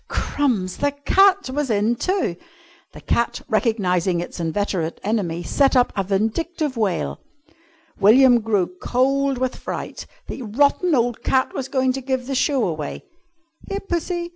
Crumbs! The cat was in too! The cat, recognising its inveterate enemy, set up a vindictive wail. William grew cold with fright. The rotten old cat was going to give the show away! "Here, Pussy!